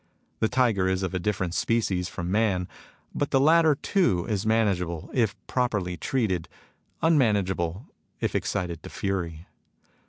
The tiger is of a different species from man ; but the latter too is manageable if properly treated, immanageable if excited to fury.